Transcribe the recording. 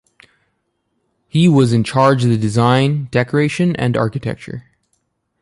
He was in charge of the design, decoration and architecture.